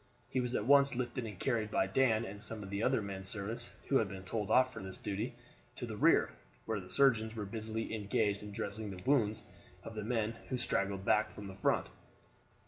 He was at once lifted and carried by Dan and some of the other men servants, who had been told off for this duty, to the rear, where the surgeons were busily engaged in dressing the wounds of the men who straggled back from the front.